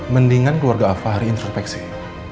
mendingan keluarga alpahari introspek sih